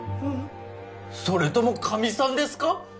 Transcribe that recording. それとも神さんですか？